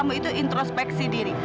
kamu itu introspeksi diri